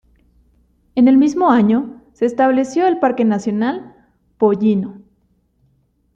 En el mismo año se estableció el Parque nacional Pollino.